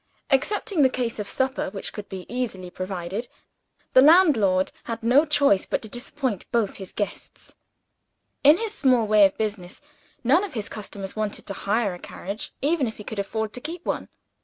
Excepting the case of supper, which could be easily provided, the landlord had no choice but to disappoint both his guests. In his small way of business, none of his customers wanted to hire a carriage even if he could have afforded to keep one.